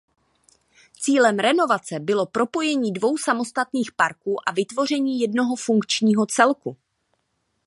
Cílem renovace bylo propojení dvou samostatných parků a vytvoření jednoho funkčního celku.